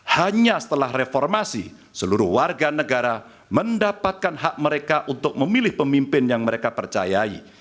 hanya setelah reformasi seluruh warga negara mendapatkan hak mereka untuk memilih pemimpin yang mereka percayai